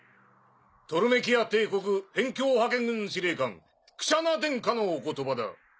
トルメキア帝国辺境派遣軍司令官クシャナ殿下のお言葉だ。